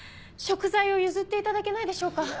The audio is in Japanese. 食材を譲っていただけないでしょうか。